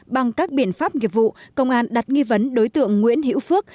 bằng các biện pháp nghiệp vụ công an đặt nghi vấn đối tượng nguyễn hiễu phước